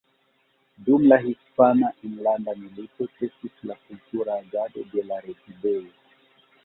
Dum la Hispana Enlanda Milito ĉesis la kultura agado de la Rezidejo.